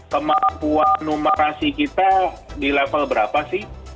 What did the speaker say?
kemampuan numerasi kita di level berapa sih